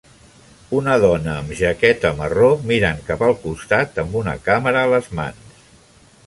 Una dona amb jaqueta marró mirant cap al costat amb una càmera a les mans.